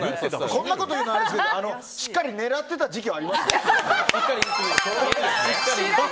こんなこと言うのはあれですけどしっかり狙ってた時期はありますよ。